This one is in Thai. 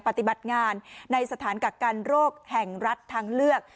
ปฏิบัติงานในสถานกักกันโรคแห่งรัฐทางเลือก